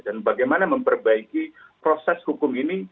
dan bagaimana memperbaiki proses hukum ini